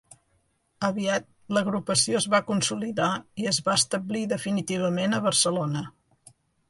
Aviat l'agrupació es va consolidar i es va establir definitivament a Barcelona.